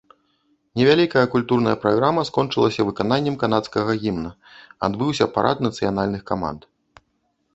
Невялікая культурная праграма скончылася выкананнем канадскага гімна, адбыўся парад нацыянальных каманд.